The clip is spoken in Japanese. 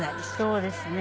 そうですね。